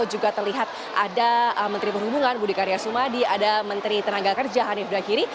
juga terlihat ada menteri perhubungan budi karya sumadi ada menteri tenaga kerja hanif dahiri